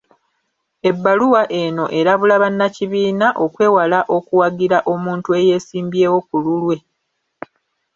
Ebbaluwa eno erabula bannakibiina okwewala okuwagira omuntu eyeesimbyewo ku lulwe.